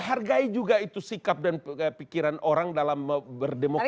hargai juga itu sikap dan pikiran orang dalam berdemokrasi